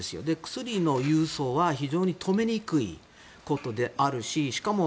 薬の郵送は非常に止めにくいことであるし